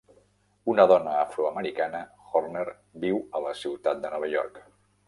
Una dona afroamericana, Horner viu a la ciutat de Nova York.